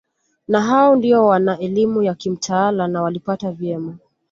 Na hao ndio wana elimu ya kimtaala na waliipata vyema